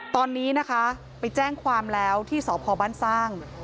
ตอนนี้นะคะไปแจ้งความแล้วที่สพบ้านสร้าง